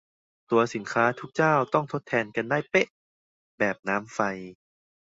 ตัวสินค้าทุกเจ้าต้องทดแทนกันได้เป๊ะ แบบน้ำไฟ